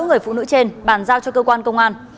người phụ nữ trên bàn giao cho cơ quan công an